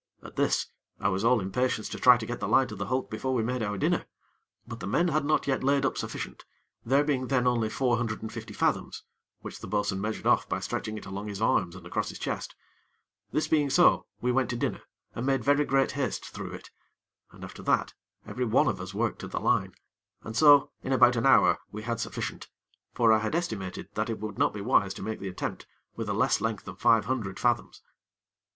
At this, I was all impatience to try to get the line to the hulk before we made our dinner; but the men had not yet laid up sufficient; there being then only four hundred and fifty fathoms (which the bo'sun measured off by stretching it along his arms and across his chest). This being so, we went to dinner, and made very great haste through it; and, after that, every one of us worked at the line, and so in about an hour we had sufficient; for I had estimated that it would not be wise to make the attempt with a less length than five hundred fathoms.